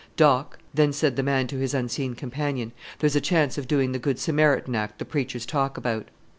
"Doc," then said the man to his unseen companion, "there's a chance of doing the Good Samaritan act the preachers talk about."